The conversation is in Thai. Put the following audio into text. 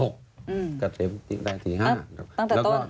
ตั้งแต่ต้น